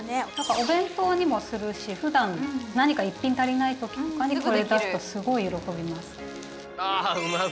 お弁当にもするしふだん何か一品足りない時とかにこれ出すとすごい喜びます。